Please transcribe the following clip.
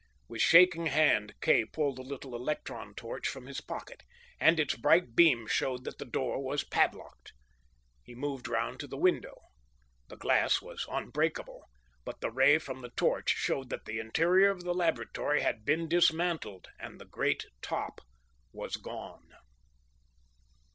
With shaking hand Kay pulled the little electron torch from his pocket, and its bright beam showed that the door was padlocked. He moved round to the window. The glass was unbreakable, but the ray from the torch showed that the interior of the laboratory had been dismantled, and the great top was gone.